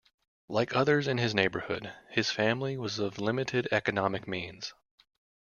Like others in his neighborhood, his family was of limited economic means.